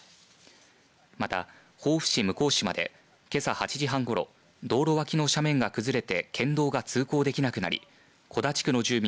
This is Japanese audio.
また防府市向島でけさ８時半ごろ道路脇の斜面が崩れて県道が通行できなくなり小田地区の住民